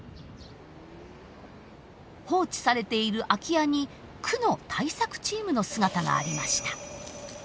放置されている空き家に区の対策チームの姿がありました。